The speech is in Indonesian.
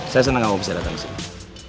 saya senang kamu bisa datang ke sini